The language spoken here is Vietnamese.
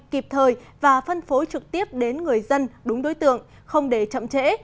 kịp thời và phân phối trực tiếp đến người dân đúng đối tượng không để chậm trễ